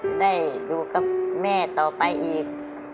ได้อยู่กับแม่ต่อไปอีก